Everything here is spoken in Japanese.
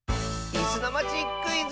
「いすのまちクイズ」！